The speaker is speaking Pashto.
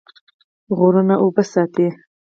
غرونه اوبه ساتي.